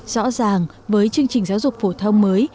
rõ ràng với chương trình giáo dục phổ thông mới